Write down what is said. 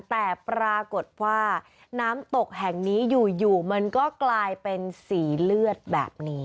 แต่ปรากฏว่าน้ำตกแห่งนี้อยู่มันก็กลายเป็นสีเลือดแบบนี้